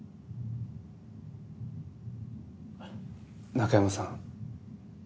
中山さん。